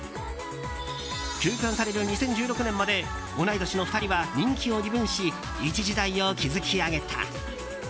休刊される２０１６年まで同い年の２人は、人気を二分し一時代を築き上げた。